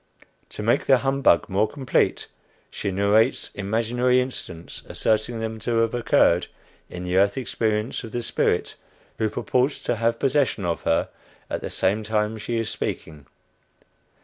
To make the humbug more complete, she narrates imaginary incidents, asserting them to have occurred in the earth experience of the spirit who purports to have possession of her at the same time she is speaking.